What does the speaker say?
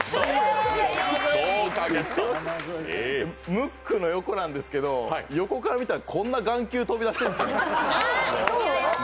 ムックの横なんですけど予告を見たらこんなに眼球飛び出しているんですよ。